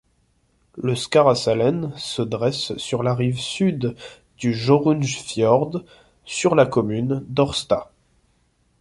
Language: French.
Le Skårasalen se dresse sur la rive sud du Hjørundfjord, sur la kommune d'Ørsta.